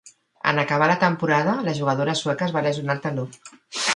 En acabar la temporada la jugadora sueca es va lesionar al taló.